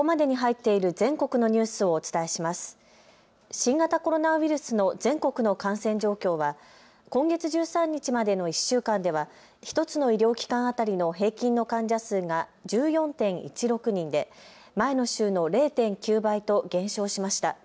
新型コロナウイルスの全国の感染状況は今月１３日までの１週間では１つの医療機関当たりの平均の患者数が１４．１６人で前の週の０．９倍と減少しました。